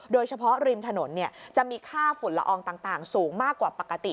โดยเฉพาะริมถนนจะมีค่าฝุ่นละอองต่างสูงมากกว่าปกติ